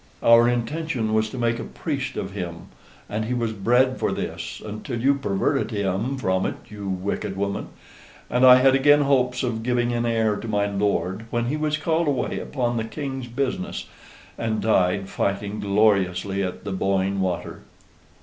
"Our intention was to make a priest of him: and he was bred for this, until you perverted him from it, you wicked woman. And I had again hopes of giving an heir to my lord, when he was called away upon the King's business, and died fighting gloriously at the Boyne water.